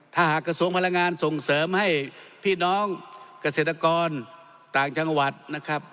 ถ้าหากกระทรวงพลังงานส่งเสริมให้พี่น้องเกษตรกรต่างจังหวัดนะครับ